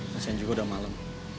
kasian juga udah malem